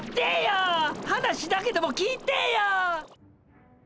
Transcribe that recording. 話だけでも聞いてぇや！